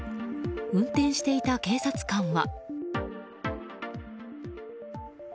運転していた警察官は。